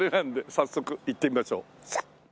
早速行ってみましょう。